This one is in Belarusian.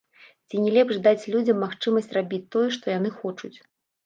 Ці не лепш даць людзям магчымасць рабіць тое, што яны хочуць?